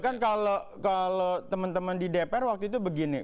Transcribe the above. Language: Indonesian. kan kalau teman teman di dpr waktu itu begini